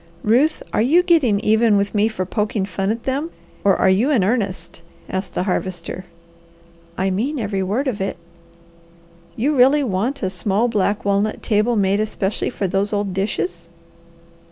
"Ruth, are you getting even with me for poking fun at them, or are you in earnest?" asked the Harvester. "I mean every word of it." "You really want a small, black walnut table made especially for those old dishes?"